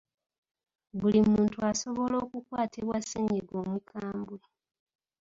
Buli muntu asobola okukwatibwa ssennyiga omukambwe.